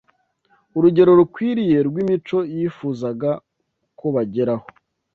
urugero rukwiriye rw’imico yifuzaga ko bageraho